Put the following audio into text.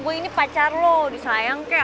gue ini pacar loh disayang kek